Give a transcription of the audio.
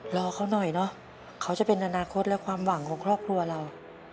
รอเขาหน่อยเนอะเขาจะเป็นอนาคตและความหวังของครอบครัวเรา